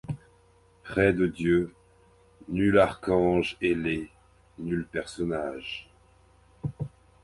Près de Dieu ; nul archange ailé, nul personnage